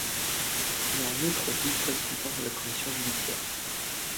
Il est en outre vice-président de la commission judiciaire.